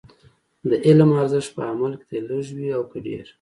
د علم ارزښت په عمل کې دی، لږ وي او که ډېر.